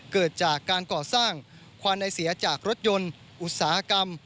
เกิดจากการก่อสร้างความในเสียจากรถยนต์อุตสาหกรรม